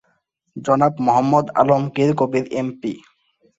জনাব মোহাম্মদ আলমগীর কবির এমপি।